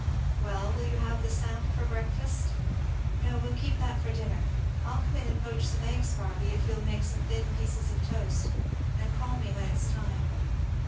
"Well, will you have the samp for breakfast?" "No we'll keep that for dinner. I'll come in and poach some eggs, Barby, if you'll make me some thin pieces of toast and call me when it's time.